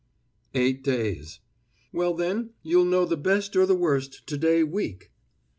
"Eight days." "Well, then, you'll know the best or the worst to day week!"